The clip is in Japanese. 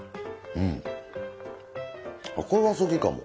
これが好きかも。